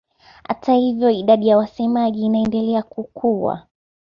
Hata hivyo idadi ya wasemaji inaendelea kukua.